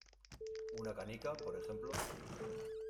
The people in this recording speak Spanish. ¿ una canica, por ejemplo?